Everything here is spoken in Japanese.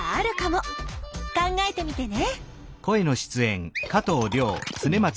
考えてみてね！